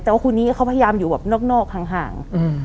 แต่ว่าคู่นี้เขาพยายามอยู่แบบนอกห่าง